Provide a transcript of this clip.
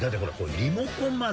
リモコンまで。